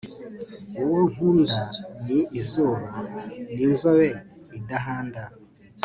uwo nkunda ni izuba, ni inzobe idahanda